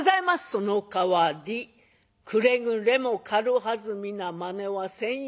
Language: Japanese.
「そのかわりくれぐれも軽はずみなまねはせんように。